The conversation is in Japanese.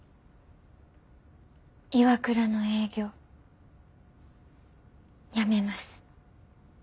ＩＷＡＫＵＲＡの営業辞めます。